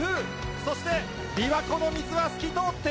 そして琵琶湖の水は透き通っている。